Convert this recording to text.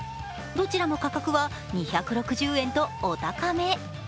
どちらも価格は２６０円と、お高め。